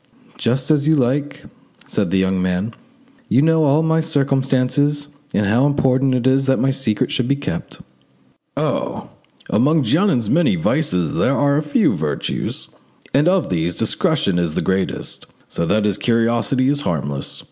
"Just as you like," said the young man; "you know all my circumstances and how important it is that my secret should be kept." "Oh! among Jeannin's many vices there are a few virtues, and of these discretion is the greatest, so that his curiosity is harmless.